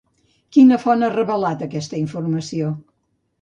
Quina font ha revelat aquesta informació?